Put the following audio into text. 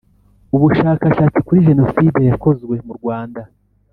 Ubushaka shatsi kuri jeno side yakozwe mu Rwanda